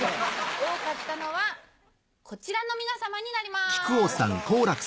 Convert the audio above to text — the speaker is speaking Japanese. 多かったのはこちらの皆様になります。